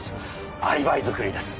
アリバイ作りです。